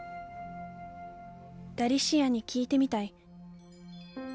ダリシアに聞いてみたい。